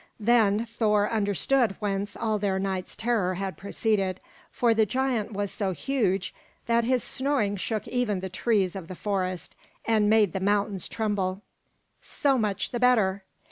Then Thor understood whence all their night's terror had proceeded, for the giant was so huge that his snoring shook even the trees of the forest, and made the mountains tremble. So much the better!